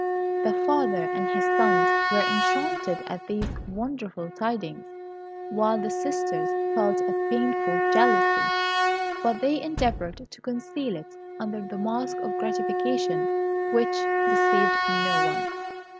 The father and his sons were enchanted at these wonderful tidings, while the sisters felt a painful jealousy, but they endeavoured to conceal it under the mask of a gratification which deceived no one.